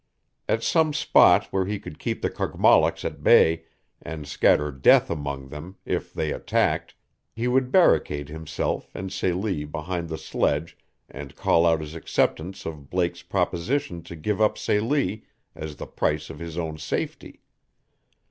At some spot where he could keep the Kogmollocks at bay and scatter death among them if they attacked he would barricade himself and Celie behind the sledge and call out his acceptance of Blake's proposition to give up Celie as the price of his own safety.